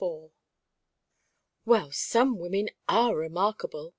IV "Well, some women are remarkable!"